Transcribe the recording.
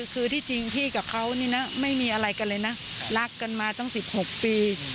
คือที่จริงพี่กับเขานี่นะไม่มีอะไรกันเลยนะรักกันมาตั้ง๑๖ปี